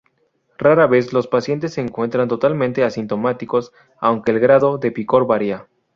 Rara vez, los pacientes se encuentran totalmente asintomáticos, aunque el grado de picor varía.